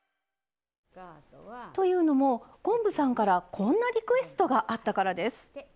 というのも昆布さんからこんなリクエストがあったからです。